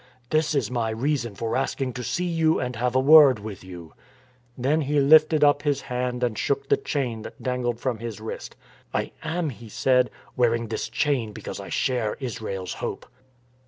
This is my reason for asking to see you and have a word with you." Then he lifted up his hand and shook the chain that dangled from his wrist. " I am," he said, " wearing this chain because I share Israel's hope."